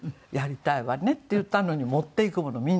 「やりたいわね」って言ったのに持っていくもの